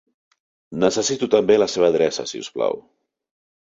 Necessito també la seva adreça si us plau.